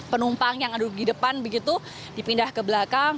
penumpang yang ada di depan begitu dipindah ke belakang